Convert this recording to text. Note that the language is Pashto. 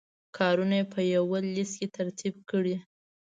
کارونه یې په یوه لست کې ترتیب کړئ.